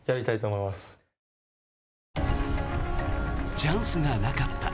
チャンスがなかった。